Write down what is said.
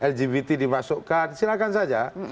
lgbt dimasukkan silahkan saja